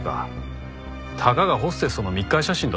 たかがホステスとの密会写真だぞ。